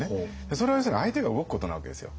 それは要するに相手が動くことなわけですよ。